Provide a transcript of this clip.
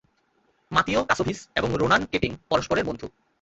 মাতিয়ো Kassovitz এবং Ronan Keating পরস্পরের বন্ধু।